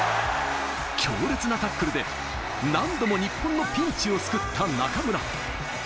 強烈なタックルで、何度も日本のピンチを救った中村。